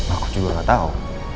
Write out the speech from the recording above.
aku juga gak tau